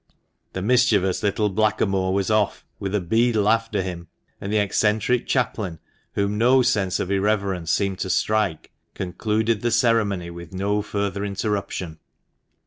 The mischievous little blackamoor was off, with a beadle after him ; and the eccentric chaplain, whom no sense of irreverence seemed to strike, concluded the ceremony with no further interruption.